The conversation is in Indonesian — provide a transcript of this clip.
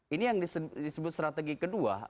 ini yang disebut strategi kedua